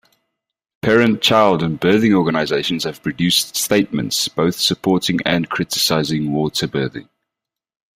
Parent, child, and birthing organizations have produced statements both supporting and criticizing water birthing.